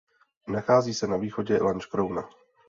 Nachází se na východě Lanškrouna.